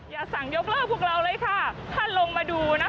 อย่าสั่งยกเลิกพวกเราเลยค่ะท่านลงมาดูนะคะ